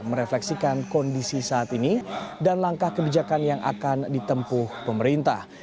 merefleksikan kondisi saat ini dan langkah kebijakan yang akan ditempuh pemerintah